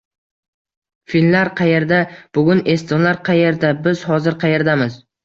Finlar qayerda, bugun estonlar qayerda? Biz hozir qayerdamiz?